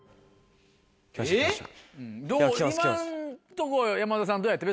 今のとこ山田さんどうやった？